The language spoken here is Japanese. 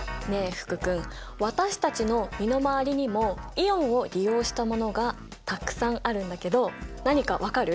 福君私たちの身の回りにもイオンを利用したものがたくさんあるんだけど何か分かる？